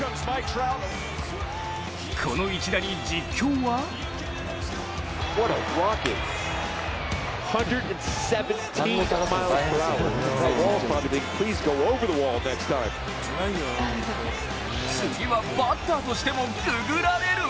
この１打に、実況は次はバッターとしてもググられる？